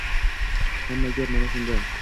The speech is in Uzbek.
Hamma gap mana shunda.